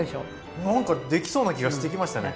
なんかできそうな気がしてきましたね。